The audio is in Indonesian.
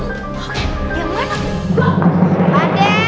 oke yang mana